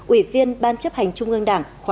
ủy viên ban chấp hành trung ương đảng khóa một mươi ba